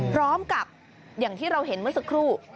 พร้อมกับอย่างที่เราเห็นเมื่อสักครู่